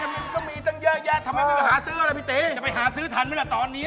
อุปกรณ์ก็มีตั้งเยอะแยะทำไมไม่ไปหาซื้อหรือไหมพี่ตี๋จะไปหาซื้อทันมั้ยแหละตอนนี้